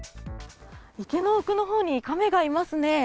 池の奥のほうにカメがいますね。